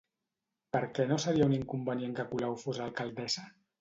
Per què no seria un inconvenient que Colau fos alcaldessa?